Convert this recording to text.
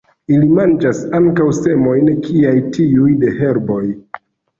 Ili manĝas ankaŭ semojn kiaj tiuj de herboj.